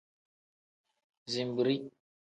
Zinbiri.